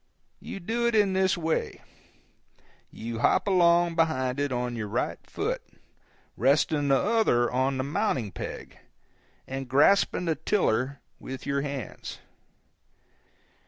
You do it in this way: you hop along behind it on your right foot, resting the other on the mounting peg, and grasping the tiller with your hands.